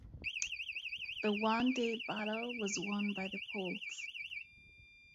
The one-day battle was won by the Poles.